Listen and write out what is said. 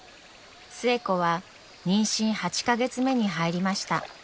寿恵子は妊娠８か月目に入りました。